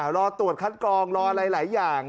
รอตรวจคัดกรองรออะไรหลายอย่าง